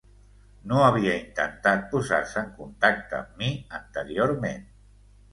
No havia intentat posar-se en contacte amb mi anteriorment.